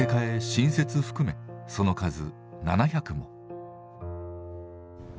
新設含めその数７００も。